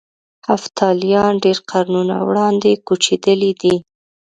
هفتالیان ډېر قرنونه وړاندې کوچېدلي دي.